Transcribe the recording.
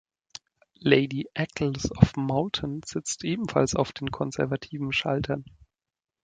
Lady Eccles of Moulton sitzt ebenfalls auf den konservativen Schaltern.